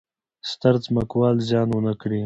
ستر ځمکوال زیان ونه کړي.